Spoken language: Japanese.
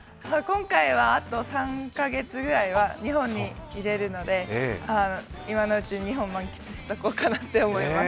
今回はあと３か月ぐらいは日本にいれるので、今のうちに日本を満喫しておこうかなと思います。